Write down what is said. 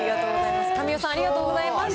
ありがとうございます。